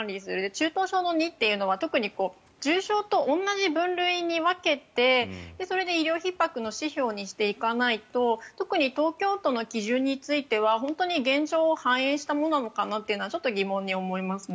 中等症の２というのは特に重症と同じ分類に分けてそれで医療ひっ迫の指標にしていかないと特に東京都の基準については本当に現状を反映したものなのかなとはちょっと疑問に思いますね。